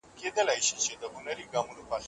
پاڼه له ډېر وخته په تمه وه.